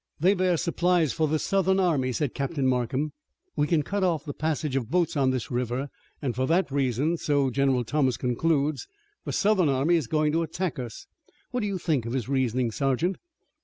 "They bear supplies for the Southern army," said Captain Markham. "We can cut off the passage of boats on this river and for that reason, so General Thomas concludes, the Southern army is going to attack us. What do you think of his reasoning, sergeant?"